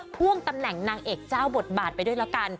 พ่วงตำแหน่งนางเอกเจ้าบทบาทไปด้วยแล้วกัน